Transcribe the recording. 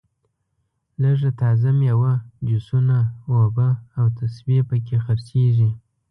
لږه تازه میوه جوسونه اوبه او تسبې په کې خرڅېږي.